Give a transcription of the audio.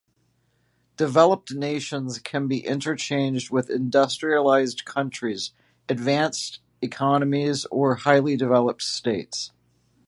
Developed nations can be interchanged with industrialized countries, advanced economies, or highly developed states.